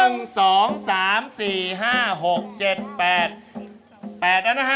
๘แล้วนะฮะ